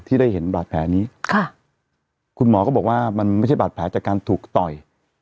ได้เห็นบาดแผลนี้ค่ะคุณหมอก็บอกว่ามันไม่ใช่บาดแผลจากการถูกต่อย